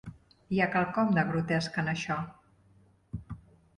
Hi ha quelcom de grotesc en això.